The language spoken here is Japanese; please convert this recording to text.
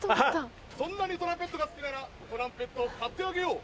そんなにトランペットが好きならトランペットを買ってあげよう。